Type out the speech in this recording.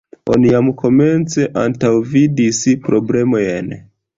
Oni jam komence antaŭvidis problemojn.